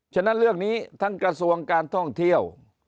ฉะนั้นเรื่องนี้ทั้งกระทรวงการท่องเที่ยว